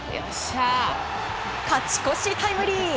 勝ち越しタイムリー。